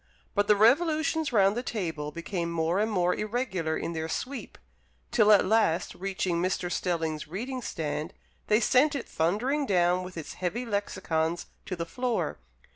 But the revolutions round the table became more and more irregular in their sweep, till at last reaching Mr. Stelling's reading stand, they sent it thundering down with its heavy lexicons to the floor.